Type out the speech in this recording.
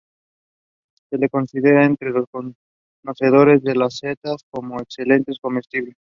Se la considera entre los conocedores de las setas como excelente comestible.